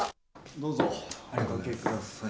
どうぞお掛けください。